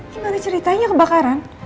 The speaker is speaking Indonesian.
kenapa ceritanya kebakaran